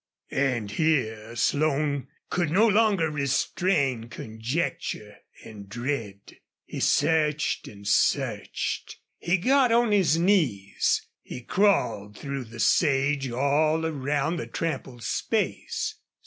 And here Slone could no longer restrain conjecture and dread. He searched and searched. He got on his knees. He crawled through the sage all around the trampled space.